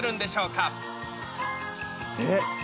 えっ？